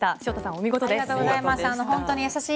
お見事です。